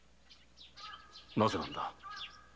なぜなんだ？